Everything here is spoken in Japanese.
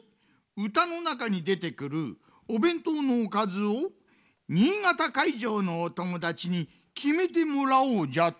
うたのなかにでてくるおべんとうのおかずを新潟かいじょうのおともだちにきめてもらおうじゃと？